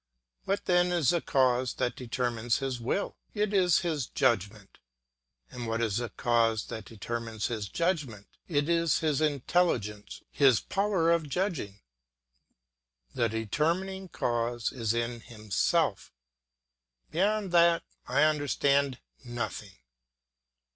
What then is the cause that determines his will? It is his judgment. And what is the cause that determines his judgment? It is his intelligence, his power of judging; the determining cause is in himself. Beyond that, I understand nothing.